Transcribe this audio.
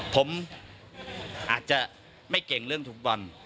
ผมอาจจะไม่เก่งเรื่องฟุตบอล